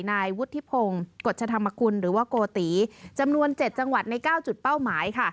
นายวุฒิพงศ์กฎชธรรมกุลหรือว่าโกติจำนวน๗จังหวัดใน๙จุดเป้าหมายค่ะ